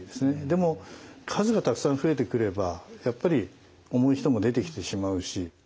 でも数がたくさん増えてくればやっぱり重い人も出てきてしまうし。